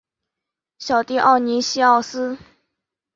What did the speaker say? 小狄奥尼西奥斯。